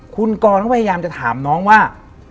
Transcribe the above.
คุณกรก็พยายามจะถามน้องว่า